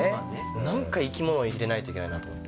なんか生き物入れないといけないなと思って。